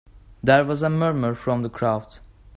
There was a murmur from the crowd.